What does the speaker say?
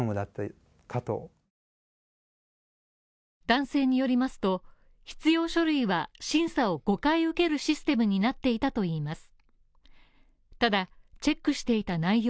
男性によりますと、必要書類は、審査を５回受けるシステムになっていたといいます。